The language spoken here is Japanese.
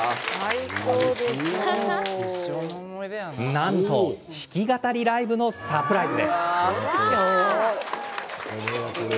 なんと弾き語りライブのサプライズ。